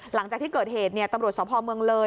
หลังจากที่เกิดเหตุตำรวจสพเมืองเลย